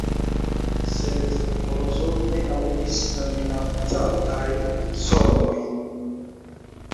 Sed Morozov ne aŭdis la minacantajn sonojn.